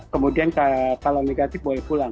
kemudian kalau negatif boleh pulang